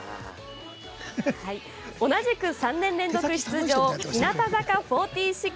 同じく３年連続出場日向坂４６。